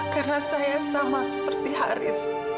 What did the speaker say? karena saya sama seperti haris